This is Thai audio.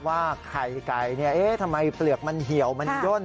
ว่าไข่ไก่ทำไมเปลือกมันเหี่ยวมันย่น